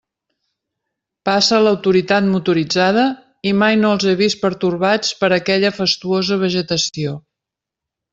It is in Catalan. Passa l'autoritat motoritzada i mai no els he vist pertorbats per aquella fastuosa vegetació.